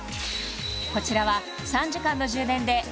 こちらはな